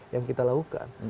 yang kita lakukan